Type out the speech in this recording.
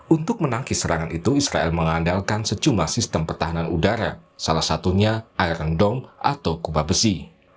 untuk menangkis serangan itu israel mengandalkan sejumlah sistem pertahanan udara salah satunya iron downg atau kuba besi